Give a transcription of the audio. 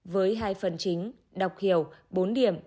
với hai phần chính đọc hiểu bốn điểm